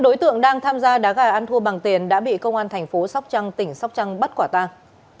một mươi năm đối tượng đang tham gia đá gà ăn thua bằng tiền đã bị công an tp sóc trăng tỉnh sóc trăng bắt quả tang